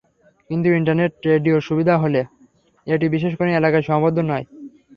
কিন্তু ইন্টারনেট রেডিওর সুবিধা হলো এটি বিশেষ কোনো এলাকায় সীমাবদ্ধ নয়।